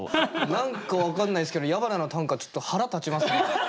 何か分かんないすけど矢花の短歌ちょっと腹立ちます。